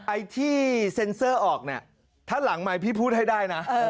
ไอ้ที่เซ็นเซอร์ออกเนี่ยถ้าหลังใหม่พี่พูดให้ได้นะ